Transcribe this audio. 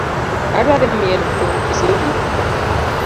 Adwa dhii mielo thum kisumu .